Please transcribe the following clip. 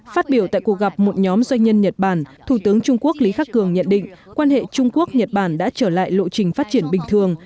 phát biểu tại cuộc gặp một nhóm doanh nhân nhật bản thủ tướng trung quốc lý khắc cường nhận định quan hệ trung quốc nhật bản đã trở lại lộ trình phát triển bình thường